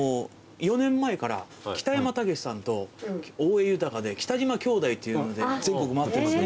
４年前から北山たけしさんと大江裕で北島兄弟っていうので全国回ってるんですね。